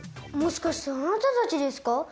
もしかしてあなたたちですか？